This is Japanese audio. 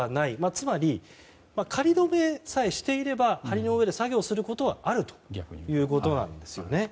つまり、仮止めさえしていれば梁の上で作業するはあるということなんですね。